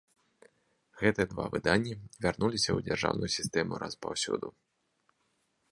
Гэтыя два выданні і вярнуліся ў дзяржаўную сістэму распаўсюду.